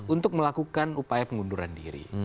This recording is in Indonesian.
untuk melakukan upaya pengunduran diri